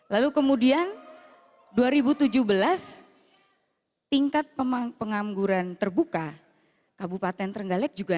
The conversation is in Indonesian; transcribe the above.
lalu kemudian dua ribu tujuh belas tingkat pengangguran terbuka kabupaten trenggalek juga naik